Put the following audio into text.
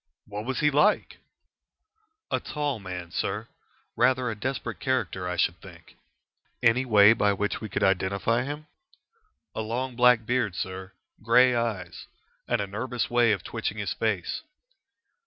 "What was he like?" "A tall man, sir. Rather a desperate character, I should think." "Any way by which we could identify him?" "A long black beard, sir. Grey eyes. And a nervous way of twitching his face."